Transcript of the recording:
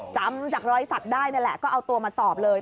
จำจากรอยสักได้นั่นแหละก็เอาตัวมาสอบเลย